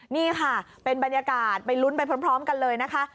นี่ค่ะเป็นบรรยากาศไปลุ้นไปพร้อมกันเลยนะคะ